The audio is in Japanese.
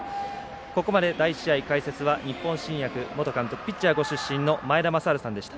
ここまで第１試合、解説は日本新薬元監督ピッチャーご出身の前田正治さんでした。